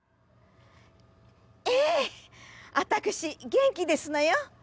ええ私元気ですのよ。